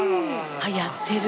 あっやってる。